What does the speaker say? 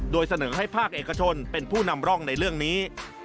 โดยเสนอให้ภาคเอกชนเป็นผู้นำร่องในเรื่องนี้